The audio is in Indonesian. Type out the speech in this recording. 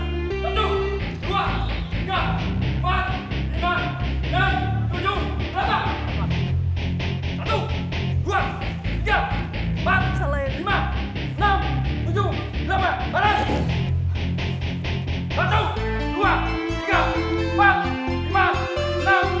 itu maka itu talara yang model waktu itu mamak lama tan ali